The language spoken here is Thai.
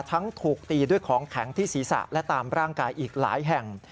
ทั้งถูกตีด้วยของแข็งที่ศีรษะและตามร่างกายอีกหลายแห่ง